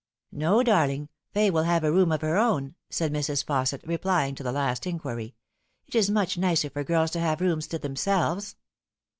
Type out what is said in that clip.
" No, darling. Fay will have a room of her own," said Mrs. Fausset, replying to the last inquiry. " It is much nicer for girls to have rooms to themselves."